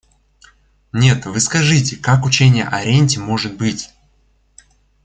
Нет, вы скажите, как учение о ренте может быть...